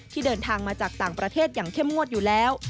เดินทางมาจากต่างประเทศอย่างเข้มงวดอยู่แล้ว